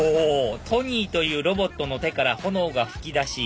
ＴＯＮＹというロボットの手から炎が噴き出し